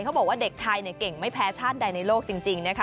เขาบอกว่าเด็กไทยเก่งไม่แพ้ชาติใดในโลกจริงนะคะ